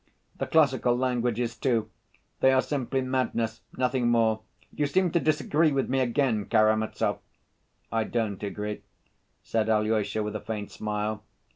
"The classical languages, too ... they are simply madness, nothing more. You seem to disagree with me again, Karamazov?" "I don't agree," said Alyosha, with a faint smile.